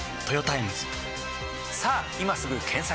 さぁ今すぐ検索！